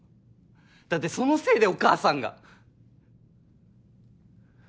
だってそのせいでお母さんが。